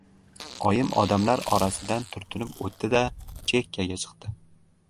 Oyim odamlar orasidan turtinib o‘tdi-da, chekkaga chiqdi